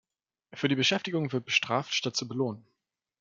Für die Beschäftigung wird bestraft, statt zu belohnen.